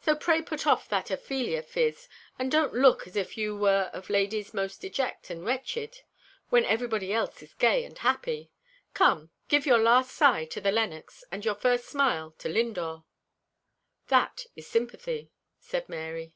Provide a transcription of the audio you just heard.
So pray put off that Ophelia phiz, and don't look as if you were of ladies most deject and wretched, when everybody else is gay and happy. Come, give your last sigh to the Lennox, and your first smile to Lindore." "That is sympathy," said Mary.